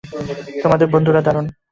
তোমার বন্ধুরা দারুণ।